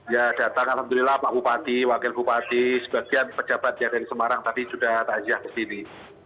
ya datang alhamdulillah pak bupati wakil bupati sebagian pejabat yang dari semarang tadi sudah tajah kesini